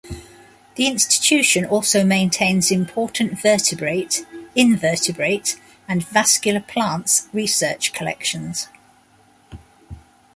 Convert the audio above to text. The institution also maintains important vertebrate, invertebrate, and vascular plants research collections.